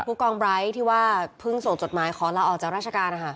ผู้กองไร้ที่ว่าเพิ่งส่งจดหมายขอลาออกจากราชการ